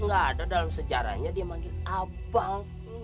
gak ada dalam sejarahnya dia manggil abang